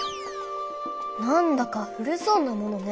なんだか古そうなものね。